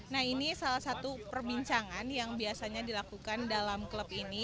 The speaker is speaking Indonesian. nah ini salah satu perbincangan yang biasanya dilakukan dalam klub ini